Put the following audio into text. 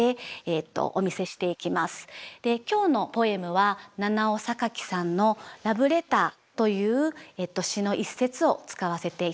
今日のポエムはナナオサカキさんの「ラブレター」という詩の一節を使わせて頂きます。